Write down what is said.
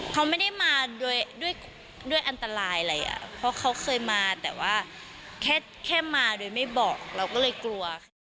เขาไม่ได้มาด้วยอันตรายแต่ว่าแค่มาโดยไม่บอกเราก็เลยกลัว